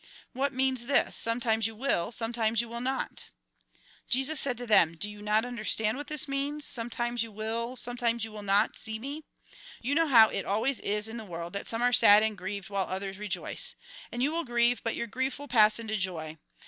What means this, ' Sometimes you will, sometimes you will not '?" Jesus said to them :" Do you not understand what this means :' Sometimes you will, sometimes you will not, see me '? You know how it always is in the world, that some are sad and grieved, while others rejoice. And you will grieve, but your grief will pass into joy.